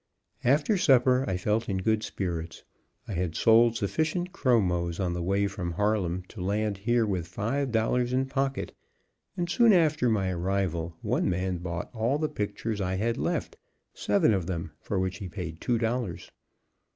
After supper I felt in good spirits. I had sold sufficient chromos on the way from Harlem to land here with five dollars in pocket, and soon after my arrival, one man bought all the pictures I had left, seven of them, for which he paid two dollars.